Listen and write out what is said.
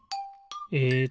えっと